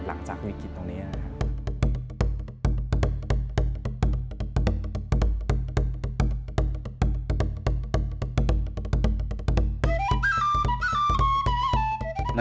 หลังจากวิกฤตตรงนี้นะครับ